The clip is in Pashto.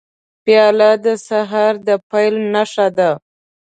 پیاله د سهار د پیل نښه ده.